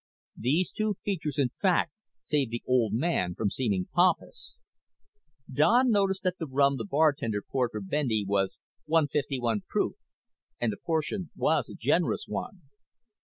These two features, in fact, saved the old man from seeming pompous. Don noticed that the rum the bartender poured for Bendy was 151 proof and the portion was a generous one.